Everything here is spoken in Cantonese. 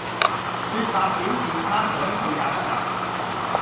說白點是他想退也不能